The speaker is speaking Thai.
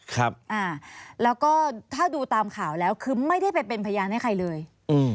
ครับอ่าแล้วก็ถ้าดูตามข่าวแล้วคือไม่ได้ไปเป็นพยานให้ใครเลยอืม